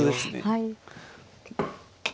はい。